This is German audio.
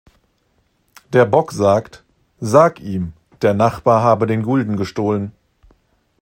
Der Bock sagt: „Sag‘ ihm, der Nachbar habe den Gulden gestohlen!